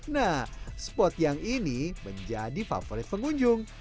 nah spot yang ini menjadi favorit pengunjung